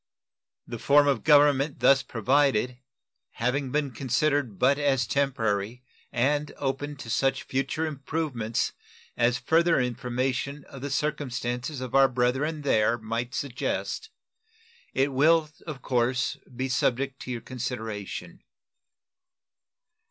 The form of government thus provided having been considered but as temporary, and open to such future improvements as further information of the circumstances of our brethren there might suggest, it will of course be subject to your consideration.